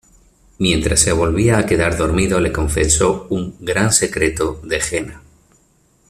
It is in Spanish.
Mientras se volvía a quedar dormido le confesó un "gran secreto" de Jenna.